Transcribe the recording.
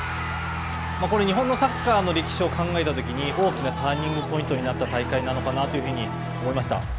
これは日本はサッカーの歴史を考えたときに大きなターニングポイントになった大会なのかなというふうに思いました。